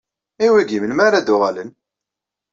I wigi, melmi ara d-uɣalen?